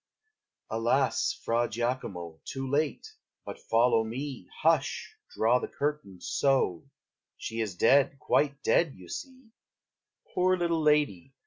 Alas, Fra Giacomo, Too late! but follow me; Hush! draw the curtain, so! She is dead, quite dead, you see. Poor little lady!